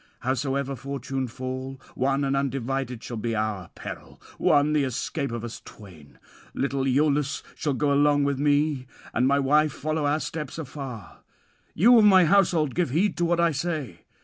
Howsoever fortune fall, one and undivided shall be our peril, one the escape of us twain. Little Iülus shall go along with me, and my wife follow our steps afar. You of my household, give heed to what I say.